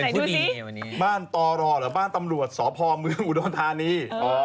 มีบ้านต่อรอหรือบ้านตำรวจสอบพรมืออุดรธานี